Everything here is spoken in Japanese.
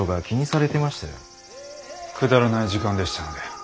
くだらない時間でしたので。